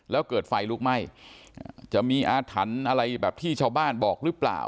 แล้วเกิดไฟลุกไหม้จะมีอาถรรพ์อะไรแบบที่ชาวบ้านบอกหรือเปล่า